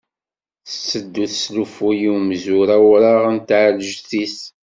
Tetteddu teslufuy i umzur awraɣ n tɛelǧet-is.